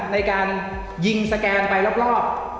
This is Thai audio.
ในการยิงสแกนไปรอบ